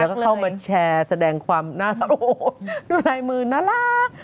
แล้วก็เข้ามาแชร์แสดงความน่ารักโอ้โหดูลายมือน่ารัก